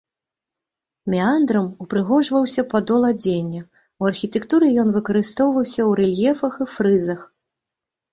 Меандрам упрыгожваўся падол адзення, у архітэктуры ён выкарыстоўваўся ў рэльефах і фрызах.